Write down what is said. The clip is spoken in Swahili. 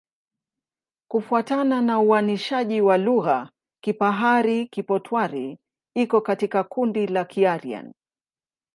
Kufuatana na uainishaji wa lugha, Kipahari-Kipotwari iko katika kundi la Kiaryan.